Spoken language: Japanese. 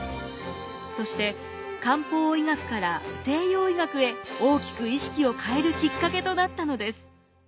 そして漢方医学から西洋医学へ大きく意識を変えるきっかけとなったのです。